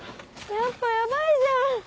やっぱヤバいじゃん！